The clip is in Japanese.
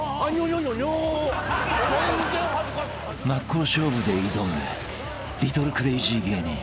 ［真っ向勝負で挑むリトルクレイジー芸人］